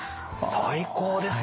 最高ですね。